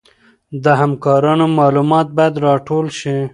د همکارانو معلومات باید راټول شي.